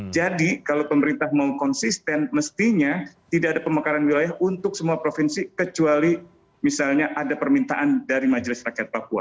jadi kalau pemerintah mau konsisten mestinya tidak ada pemekaran wilayah untuk semua provinsi kecuali misalnya ada permintaan dari majelis rakyat papua